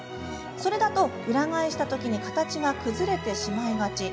それだと裏返したときに形が崩れてしまいがち。